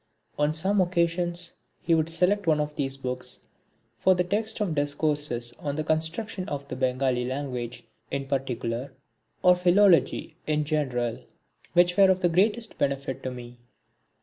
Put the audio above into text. On some occasions he would select one of these books for the text of discourses on the construction of the Bengali language in particular or Philology in general, which were of the greatest benefit to me.